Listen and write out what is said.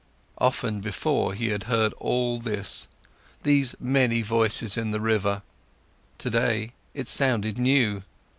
Often before, he had heard all this, these many voices in the river, today it sounded new.